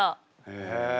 へえ。